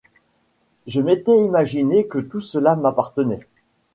Je m’étais imaginé que tout cela m’appartenait.